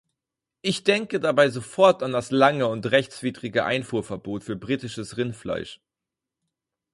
Ich denke dabei sofort an das lange und rechtswidrige Einfuhrverbot für britisches Rindfleisch.